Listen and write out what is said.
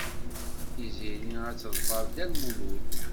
Tiziri ad teḍfer Dda Lmulud.